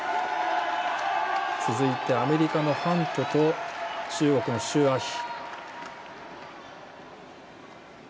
続いて、アメリカのハントと中国の周あ菲。